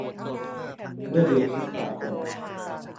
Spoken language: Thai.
เมื่อเดีอนพฤษภาคม